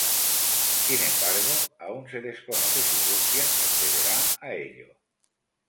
Sin embargo, aún se desconoce si Rusia accederá a ello.